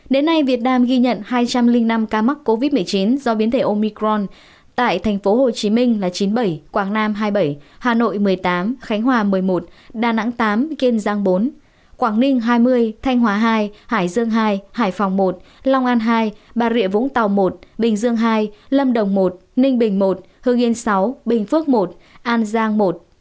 đến nay việt nam ghi nhận hai trăm linh năm ca mắc covid một mươi chín do biến thể omicron tại thành phố hồ chí minh là chín mươi bảy quảng nam hai mươi bảy hà nội một mươi tám khánh hòa một mươi một đà nẵng tám kiên giang bốn quảng ninh hai mươi thanh hóa hai hải dương hai hải phòng một long an hai bà rịa vũng tàu một bình dương hai lâm đồng một ninh bình một hương yên sáu bình phước một an giang một